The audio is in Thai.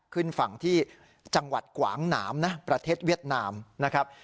ขึ้นฝั่งที่จังหวัดกวางหนามนะประเทศเวียดนามนะครับ